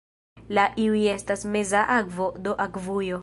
Laŭ iuj estas "meza akvo", do akvujo.